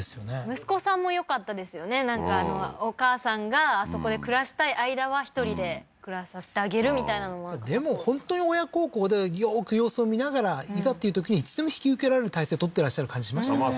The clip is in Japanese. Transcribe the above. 息子さんもよかったですよねなんかお母さんがあそこで暮らしたい間は１人で暮らさせてあげるみたいなのもでも本当に親孝行でよーく様子を見ながらいざっていうときにいつでも引き受けられる態勢取ってらっしゃる感じしましたもんね